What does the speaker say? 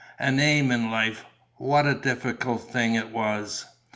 An aim in life: what a difficult thing it was!